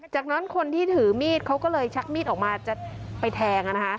จากนั้นคนที่ถือมีดเขาก็เลยชักมีดออกมาจะไปแทง